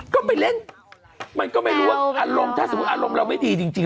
ก็ไปเล่นมันก็ไม่รู้ว่าอารมณ์ถ้าสมมุติอารมณ์เราไม่ดีจริง